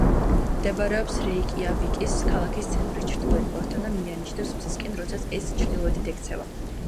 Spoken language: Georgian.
მდებარეობს რეიკიავიკის ქალაქის ცენტრის ჩრდილოეთ პორტთან და მიანიშნებს მზისკენ, როდესაც ის ჩრდილოეთით ექცევა.